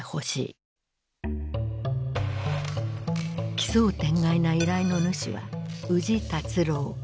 奇想天外な依頼の主は宇治達郎。